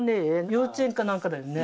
幼稚園か何かだよね。